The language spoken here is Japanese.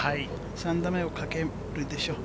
３打目にかけるでしょう。